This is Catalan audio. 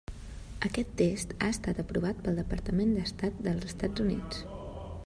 Aquest test ha estat aprovat pel Departament d'Estat dels Estats Units.